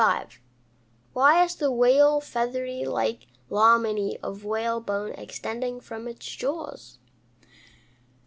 _Why has the whale feathery like laminæ of whale bone extending from its jaws?